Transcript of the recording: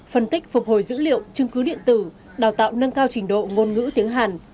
phân tích phục hồi dữ liệu chứng cứ điện tử đào tạo nâng cao trình độ ngôn ngữ tiếng hàn